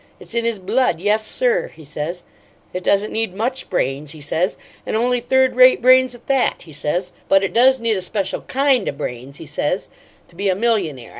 It's in his blood. Yes, sir' he says, 'it doesn't need MUCH brains,' he says, 'an only third rate brains, at that,' he says, 'but it does need a special KIND o' brains,' he says, 'to be a millionaire.